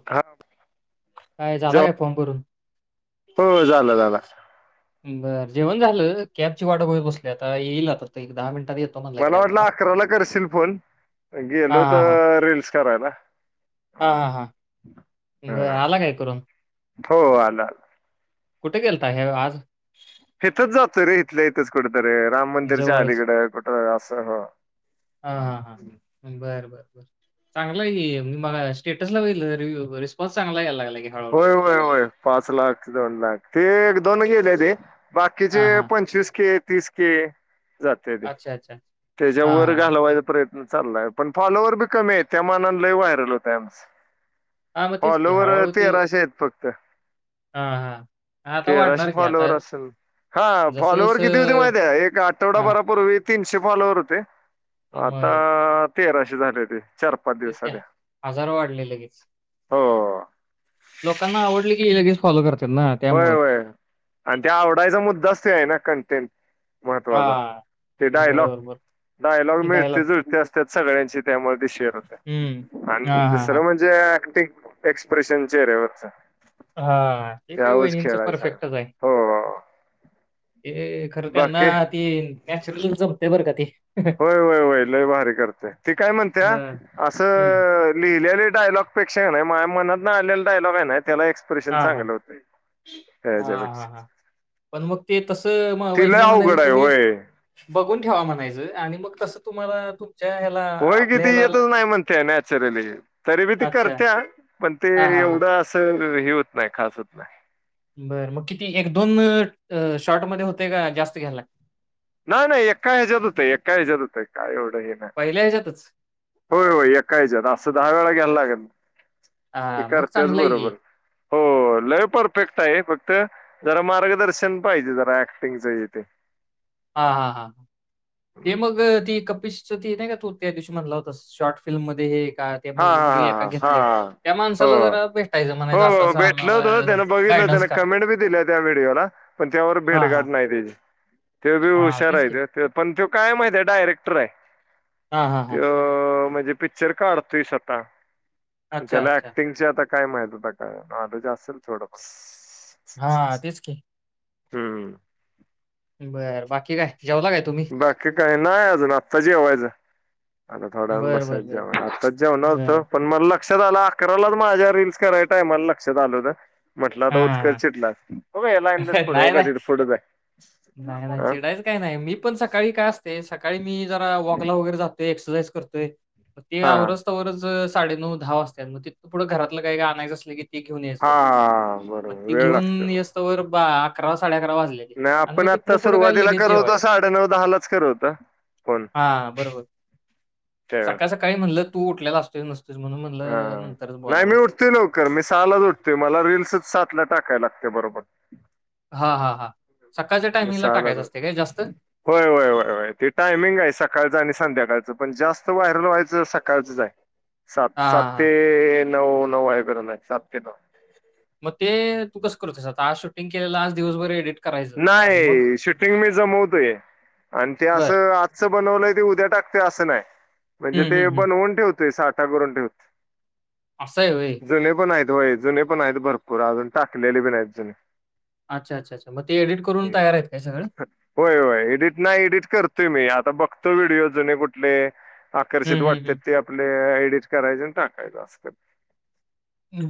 [unintelligible] काय झाला का जेवण फॉर्म भरून? हो. झाला झाला. बरं. जेवण झालं. कॅबची वाट बगत बसलोय आता. येईल आता ते एक दहा मिनिटात येईल. मला वाटलं अकराला करशील फोन. पण गेलो हां, होतो रीलस करायला. हा हा हां ब हा आला काय करून. हो आलं आला. कुठे गेलता काय आज. हेथच जातो रे इथलं इथच कुठेतरी राम मंदिरच्या जवळच. अलीकडे कुठ असं हो. हा हा हा बर बर ब. चांगला हाय की मगा स्टेटसला बघितलं रिस्पॉन्स चांगला यायला लागलाय की. हळू-हळू. होय होय होय पाच लाख दोन लाख ते दोन गेले ती. बाकीचे हां, हां. पंचवीस के तीस के. जात्याती अच्छा, अच्छा. त्याच्या हां, वर हां. घालवायचा प्रयत्न चाललाय पण फॉलोवर बी कमी आहेत त्या मानान लई व्हायरल होतय आमच. हां, मग तेच की फॉलोवर तेराशे आहेत फक्त. हा हा. तेराशे फॉलोवर असेल हा फॉलोवर किती होती जसं-जसं माहिती हात काय एक हां, आठवडाभरापूर्वी तीनशे फॉलवर होते मग आता तेराशे झाले ती. चार पाच तेच की दिवसात ह्या वाढले लगेच. हो. लोकांना आवडली की हे लगेच फॉलो करतेत ना होय त्यामुळ. होय आणि ते आवडायचा मुद्दाच ते आहे ना कंटेंट महत्वाचा हां. ते डायलॉग. बरोबर, बरोबर. डायलॉग मीळ ते जुळते असतात सगळ्यांची त्यामध्ये शेअर होते. हम्म आणि हा. दुसरं म्हणजे ऍक्टिंग एक्सप्रेशन चेहऱ्या वरच. हा ते काय वहिणींच परफेक्टच हाय. हो ते खरं त्यांना बाकी ती नॅचरल जमतय बरं का ती. होय होय होय लय भारी करते ती काय म्हणत्या हं. हं. असं लिहिलेले डायलॉग अेक्षा कणय माझ्या मनातना आलेल डायलॉग हाय नाय त्याला एक्स परेशन हां, चांगलं हां. होत त्या हेच्या हां, पेकशा. हां, हां. पण मग ते तसं म वहिणीला अवघड म्हणायचं आहे तुम्ही होय बघून ठेवा म्हणायचं आणि मग तस तुम्हाला तुमच्या ह्याला होय आपल्या किती ह्याला येतच नाही म्हणते नॅचरली तरी बी ती अच्छा. करते्या पण ते हां, हां, हां. एवढं असं हे होत नाही खास होत नाही. बरं मग किती एक दोन शॉर्ट मध्ये होते का जास्त घ्यायला. नाही नाही एका ह्याजात हुतंय एका ह्यजात हुतंय काय एवढं हे न्हाय. पहिल्या याच्यातच. होय होय एकायच्यात असं दहा वेळा घ्यायला लागल न्हाय ते हां, मग करतेच चांगलं आहे की. बरोबर. हो लय परफेक्ट हाय फक्त जरा मार्गदर्शन पाहिजे जरा ऍक्टिंगच इथे. हा हा हा हा ते मग ती कपीस स ते नाही का तू त्या दिवशी मधला होतस शॉर्ट फिल्म मध्ये हे का? हा हा हा हा हा हा. हो जरा भेटायचं म्हणायचं हो असं-असं भेटल होत आम्हाला त्यान बघितलं गाईडन्स त्यान करा. कमेंट बी दिले त्या व्हिडिओला. पण त्यावर हां, हां. भेटघाट नाही त्याची. ते बी हां, हुशार तेच आहे की. त पण ते काय माहित आहे डायरेक्टर आहे. हां, हां, हां. ते म्हणजे पिकच्चर काढतोय स्वतः अच्छा, त्याला अच्छा. ऍक्टिंगचे आता काय माहित आता काय नॉलेज असेल थोडं फार. हा तेच की. हम्म. बरं बाकी काय जेवला काय. तुम्ही? बाकी काही नाही अजून आत्ता जेवायचं. आता थोड्या जण बरं, बरं, बसायचंेव बरं. आत्ताच जेव न बरं. होतं पण मला. लक्षात आलं अकराला माझ्या रीलल्स कराय टामाला लक्षात आल होत. म्हटलं आता उचकर हां. चिटलास लाईंदच नाही, पुढं नाही. ब का तिथ पुढच नाही नाही आहे ह. चिडायचं काय नाही मी पण सकाळी काय असते सकाळी मी जरा वॉकला वगैरे जातोय एक्सरसाईज करतोय ते हा आवरजतावरच साडे नऊ दहा वाजता मग तिथं पुढं घरातलं काही काय आणायचं अस क हा बरोबर वेळ लागते ब तोवर अकरा साडे अकरा वाजले नाही आपण आता सुरुवातीला करवतो साडे नऊ दहा लाच करवत फोन हां, ह सकाळी म्हणलं तू उठलेला असते नसतेस म्हणून हा म्हणलं नंतरच नाही बोलावं मी उठतोय लवकर मी सहाला जोडते मला रीलल्सच साातला टाकाय लागते बरोबर हा हा हा सकाळच्या मी टायमिंगला टाकायचं सहालाच असते काय जास्त होय होय होय ते टायमिंग आहे सकाळचं आणि संध्याकाळचं पण जास्त व्हारल व्हायचं सकाळचंच आहे सात हां, हां. सते नऊ नऊ आहेईबर ना सात नऊ मग ते तू कस करतयस आता आज शूटिंग केलेलं आज दिवसभर एडिट करायचं आणि मग? नाही शूटिंग मी जमवतोय आणि ते बरं. असं आ बनवलंय ते उद्या टाकतय असं नाही हं, म्हणजे ते हं, हं. बनवून ठेवतय साठा करून ठेवत अस ये वय जुने पण आहेत होय जुने पण आहेत भरपूर अजून टाकलेले पण आहेत जुने अच्छा अ्छा अच्ा म ते एडट करून हम्म. तयार आहेत काय सगं होय होय एडिट नाही एडिट करतोय मी आता बघतो व्हिडिओ जुने कुठले हं, आकर्षित हं, वाटते हं. ते आपले एडिट करायचे आणि टाकायच अस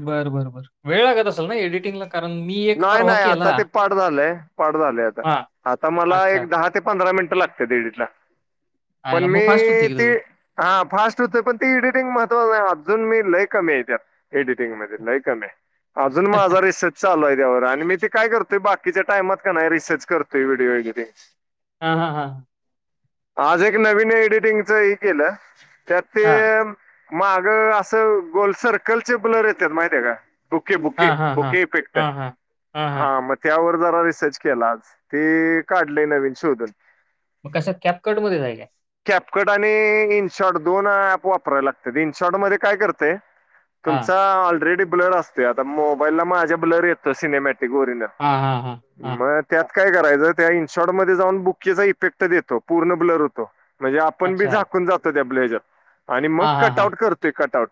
बरं बर बर वेळ लागत असल ना एडिटिंगला कारण मी एक नाही परवा नाही केला आता ते पाठ झालंय पाठ झाले आता हां. आता मला अच्छा. एक दहा ते पंधरा मिनिट लागते दिडीला पण आयला मग मी फास्ट होते की ती तुझं. हा फास्ट होते पण ती एडिटिंग महत्त्वा अजून मी लय कमीेतत एडिटिंग मध्ये नाहीक नाही अजून माझा रिसर्च चालू आहे त्यावर आणि मी ते काय करतोय बाकीच्या टायमात का नाही रिसर्च करतोय व्हिडिओ वगैरे हा हा हा आज एक नवीन एडिटिंगच हे केलं त्यात ते हां. माग असं गोल्ड सर्कलचे ब्लर येतात माहिित आहे का बुके बुके हां, हां, हां. बुके इफेक्ट हां, हां. हां, हां. हा म त्यावर जरा रिसर्च केला ते काढले नवीन शोधत मग कशा कॅपकट मध्ये जायल्या कॅपकट आणि इनशॉट दोन ऍप वापराला लागत इनशॉट मध्ये काय करते हां. तुमचा ऑलरेडी ब्लर असते आता मोबाईलला माझ्या ब्लर येतो सिनेमॅटिक वओरीन हा हा हा मग त्यात काय करायचं त्या इनशॉट मध्ये जाऊन बुकीचा इफेक्ट देतो पूर्ण ब्लर होतो म्हणजे आपण बी अच्छा. झाकून जातो त्या ब्लेजर आणि मग हां, हां, कट हां. आउट करतोय कट आउट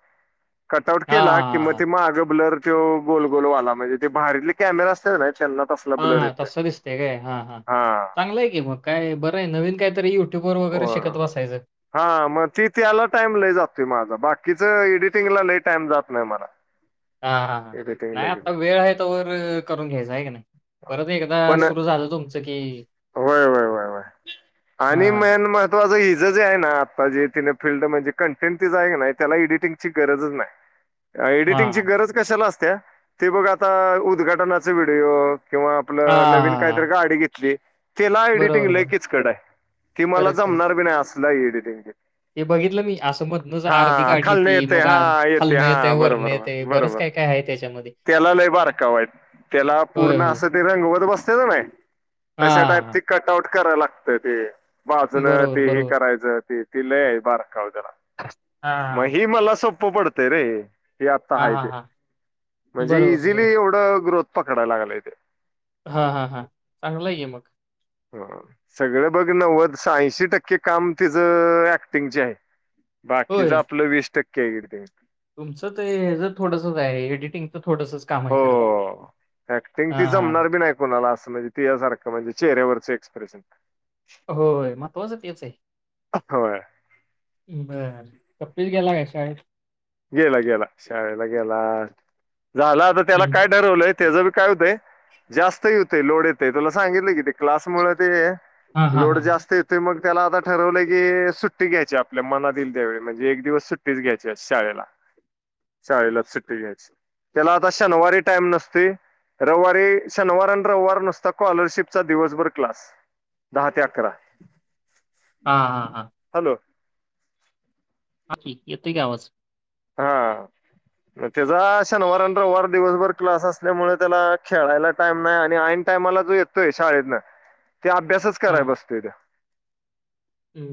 कट आउट हां, केला हां, कि हां, मवा हां. ते मग माग बलर तो गोल गोल वाला म्हणजे ते बाहेारीतले कॅमेराे असत नाही चल ना ब्लर हा येतोय तसं दिसतय काय हा हां हा चांगलंय की काय बरं आहे नवीन काय तरी युट्यूब वर वगैरे शिकत बसायचं. हा मग ती त्याला टाईम लई जातोय माझ बाकीच एडिटिंगला लई टाइम जात नाही मला. हा हा हा एडिटिंगला नाही गेलो आता वेळ आहे तोवर करून घ्यायच आहे का नाही. परत एकदा पण सुरु झालं तुमचं कि- होय होय वय होय आणि हां, मन म- झं हिज जे आहे ना आत्ता जे तिने फिल्ड म्हणजे कंटेंट तिच आहे का नाही त्याला एडिटिंगची गरजच नाही. एडिटिंगची हां, गरज कशाला असते ते बघ आता उद्घाटनाचा व्हिडिओ किंवा- आपलं नवीन हां. काहीतरी गाडी घेतली. तिला एडिटिंग बरोबर, लई बरोबर. किचकट आय ती मला करेक्ट, करेक्ट. जमणार बी नाही असल एडिटिंगये. ते बघितलं मी असं मधनंच अर्धी हा गाडी खाल न येते मग आ हा येते हा बरोबर बरोबर. काय आहे त्याच्यामध्ये. त्याला लय बारकावेत त्याला होय, पूर्ण होय. असं ते रंगवत बसते का नाय. हा हा. कटआउट कराय लागत ते. बाजून बरोबर, ते हे बरोबर. करायचं ते ति लई आहे बाराकावे जरा. म हां, ही मला सोप सोपडते रे आता हां, हाय ते हां, हां. ्हणजे बरोबर, इझिली बरोबर. एवढ ग्रोथ पकडाया लागले ते. हा हा हां! चांगलाय कि मग. ह सगळं बघ नव्वद स ऐंशी टक्के काम तिचं अ ऍक्टिंगचे आहे. बाकीच होय. आपलं वीस टक्के एडिटिंग. तुमचं ते जर थोडसच आहे एडिटिंग च थोडसच. हो अ ऍक्टिंग ती हां. जमणार बी नाही. कोणाला असं म्हणजे तिच्या सारंख म्हणजे चेह्यावरचं एक्सप्रेशन होय महत्वाचं तेच आहे. होय बर कपिल गेला काय शाळेत? गेला गेला शाळेला गेला झाला आता त्याला हम्म. काय ठरवलंयत - त्याच बी काय होतय जास्त ह होतंय लोड येतय तुला सांगितलं कि ते क्लास मूळ ते. हा हा लोड हा जास्त येत. ते मग त्याला आता ठरवलं की अ सुट्टी घ्यायची आपल्या मनात येईल त्यावेळी म्हणजे एक दिवस सुट्टीच घ्यायची. शाळेला शाळेला सुट्टी घ्यायची त्याला आता शनिवारी टाइम नसते. रविवारी शनिवार आणि रविवार नुसता स्कॉलरशिपचा दिवसभर क्लास. दहा ते अकरा. हा हां हां! हॅलो. हा की येतो कि आवाज. हा - [inaudible] त्याचा शनिवार आणि रविवार दिवसभर क्लास असल्यामुळे त्याला खेळायला टाईम नाय आणि ऐन टाईमाला जो येतोय शाळेतन ते अभ्यासच हा कराया बसतोय त्या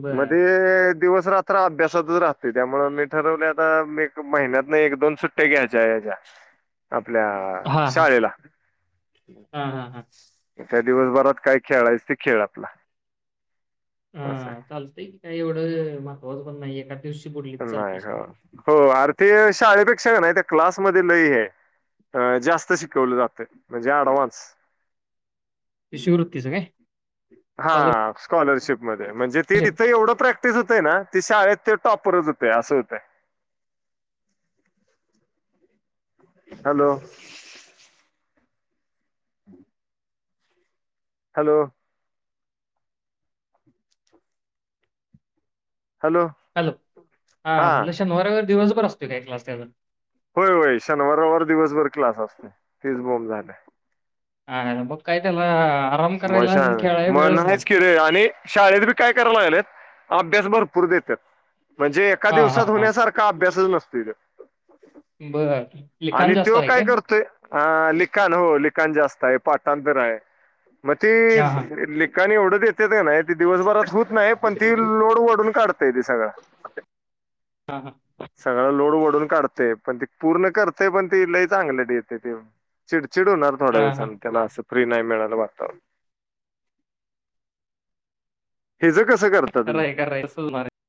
बर मध्ये दिवस रात्र अभ्यासातच राहते त्यामुळे मी ठरवल्यात आ मी एक महिन्यात न. एक दोन सुट्ट्या घ्यायच्या याच्या आपल्या अ हा हा शाळेला. हा हा हां! त्या दिवसभरात काय खेळायच ते खेळ आपला हा असं चालतंय की काय एवढं मागावर पण नाय एकात. नाही हो हो आर ते शाळेपेक्षा का नाही त्या क्लासमध्ये लई हे है. अ जास्त शिकवलं जाते म्हणजे ॲडवान्स. शिष्यवृत्ती च काय. स्कॉलरशिप हा स्कॉलरशिपमध्ये म्हणजे ते तिथे एवढं प्रॅक्टिस होते ना ती शाळेत ते टॉप परत होते असं होतय. हॅलो. [inaudible] हॅलो. हॅलो. हॅलो हा म्हटल शनिवार, रविवार दिवसभर असतो काय क्लास त्याजा होय होय शनिवार, रविवार दिवसभर क्लास असतोय तिच बोंब झालय. आय मग काय त्याला आप मशांग मग नाहीच कि र आणि शाळेत बी काय करायला लागलेत अभ्यास भरपूर देतात म्हणजे एका हा हा दिवसात हा होण्यासारख. का अभ्यासच नसतो बर लिखाण आणि जास्त तो आहे काय करतोय. ह लिखाण हो लिखाण जास्त आहे पाटांतर आहे. मग त हा हा लखाणी एवढंच येत ना. दिवसभरात होत नाही पण ती लोड वढून काढतय ते सगळं. हां हां ब. सगळं लोड वढून काढते पण ती पूर्ण करतेय पण ती लई चांगली देते ते. चिड चिडणार थोड्या हा हा दिवसां त्यां ना असं फ्री नाही मिळाला बघत. हिजं कसं करत. खरं आहे खरं आहे तसंच होणार आहे.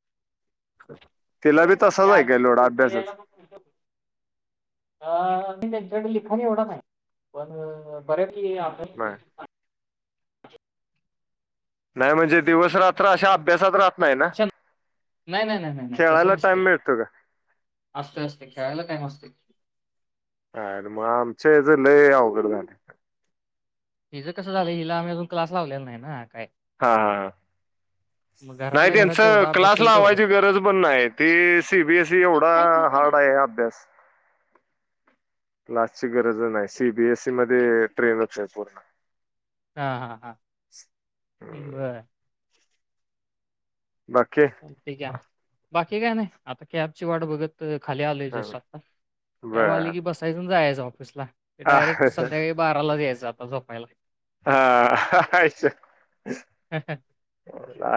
तिला बी तसाच आहे काय लोडा अभ्यासच. ह. अ मी त्यांच्याकडे लिखाण एवढं नाही पण बर्या की बर. नाही म्हणजे दिवस रात्र अशा अभ्यासात राह. नाही ना नाही नाही नाही नाही नाही तसं खेळायला टाइम नसते मिळतो का? असते असते खेळायला काय असते. अ मग आमच्याल अघड झा. हिचं कसं झालं हिला आम्ही अजून क्लास लावलेला नाही ना काय? हां हां हां. मग नाही घरातल्या घरात त्यांच जेवढा अभ्यास क्लास होईल लावायची तेवढाच गरज पण नाही ती सीबी एसई एक एवढा साईड चालेल हार्ड आहे अभ्यास. लास्टची गरज नाही सी बीएसई मध्ये ट्रेनच आहे पूर्ण हा हा हा हम्म. बरं. बाकी. ठीक आहे बाकी काय नाही आता कॅबची वाट बघत. खाली आ हा. बर स्वली की बसाय जायच ऑफिसला डायरेक्ट संध्याकाळी बाराला जा्यायचं आता जपायला. हा अय.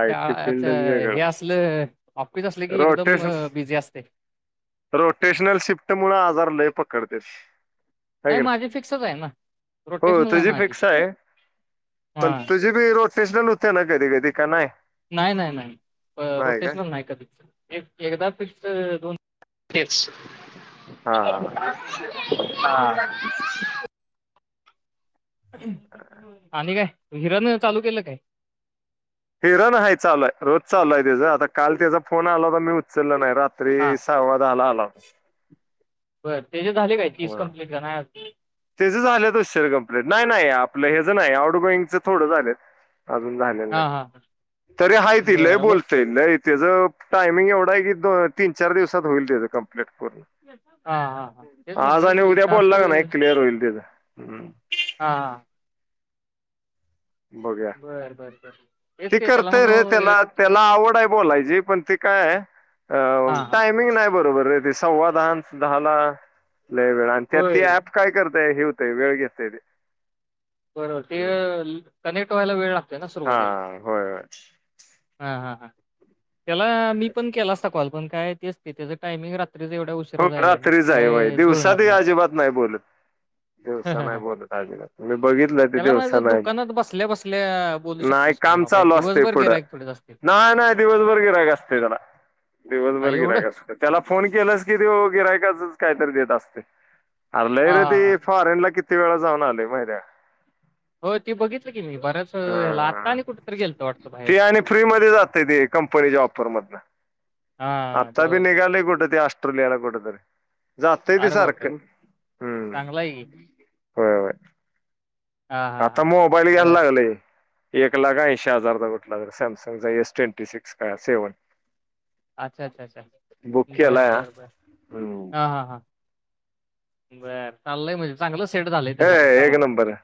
य ट फील्ड अंग व का? आपकीच असले की एकदम बिझी असते. रोटेशनल शिफ्ट मु आजार लय पकडते. नाही माझी फिक्सच आहे ना. हो रोटेशनल आहे तुझी माझी फिक्स आहे हा पण तुझ? तजे बी रोड स्टेशन होते ना कधी कधी का नाही. नाही नाही नाही रोटेशनल नाही कधी एक एकदा फि्स दोन. हा हा. आणि काय हिरण चालू केलं काय? हिराण आहे चालू आहे रोज चालू आहे त्याचां आता काल त्याचा फोन आला होता मी उचललं नाही रात. हा त्री सहा्वाद झाला आला. बरं त्याचे झाले काय तीस कमंप्लीट का नाही. त्याच झालेत अश्चर कप्लेट नाही आपलं हेचं नाही आउट गोईंगचं थोडं झालेत. अजून झालेलं हा हा तरी हा तलय बरं व बोलत. ते नाही त्याचं टायमिंग एवढं आहे की दो तीन चार दिवसात होईल त्याचं कंप्लीट पूर्ण हा हा हा तेच म्हणलं की खस्त. लद हम्. हांां. बघूया बरं बरं बर येत ती ते त्याला करते रे म्हण. त्याला त्याला आवड आहे बोलायची पण ती काय हा हा टायमिंग नाही बरोबर आहे. सवादस दला ल वेळा होय अ. काय करतेय हिव तेय वळ असतय ते. बरोबर ते हम्म. कनेक्ट व्हायला वेळ लागतय ना सुरुवातीला. हा होय होय हा हा हा त्याला मी पण केला असता कॉल पण काय ते त्याचं टामिंग रात्रीवढ हो रात्रीच आहे बाई दिवसातही अजिबात नाही बोलत दिवसा नाही बोलत अजिबात. मी बघितलं ते त्याला माझं दिवसान दुकानात बसल्या-बसल्या बोलू नाही शकतोयस की काम म्हणावं, काय चालू असते दिवसभर पुढं गिराईक थोडीच असतील. नाही नाही दिवसभर गिराग असत त्याला अ, दिवसभर एवढं? गिराग असत त्याला फोन केलास की तेव गिरायकाचच कायतरी देत असते. हरलंय रे ती हां. फॉरेन ला किती वेळा जाऊन आले माहि त्या्या हो, ते बघितलं की मी बऱ्याच ह्याला आता हा आणि कुठेतरी गेलतो वाटतं बाहेर. ते आणि फ्री मध्ये जातय ते कंपनीच्या ऑपर मधन हां, आता बी बरोबर, बरोबर. निघालय कुठ ते ऑस्ट्रेलियाला कुठेतरी. जातय ते अरे बापरे! सारखं हम्म चांगला आहे की. होय होय हां, हां, आता मोबाईल हां. घ्यायला बरं. लागले. एक लाख ऐंशी हजारचा कुठला ज सॅमसंगचा एस ट्वेंटी सिक्स का सेव्हन. अच्छा अच्छा अच्छा बुक बर केलाय हा बरं बरं हम्म हा हा हा बरं चाललंय म्हणजे चांगलं सेट झालंय हे त्याच पण काम एक आता नंबर आहे.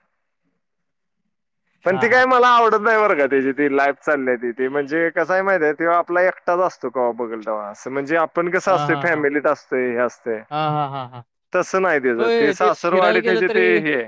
पण हां, ती हां, काय हां. मला आवडत नाही मर का त्याची. लाईफ चालली तिी म्हणजे कसंय माहिितय तेव्हा आपला एकटाच असतो का बघल असं म्हणजे पण कसं हां, असतोय हां, हां. फॅमिलीत असतो हे असते. हां, हां, हां, हां. तसं नाही त्याचं ते होय फिरायला सासरवाडी गेलं त्याचे ते तरी हे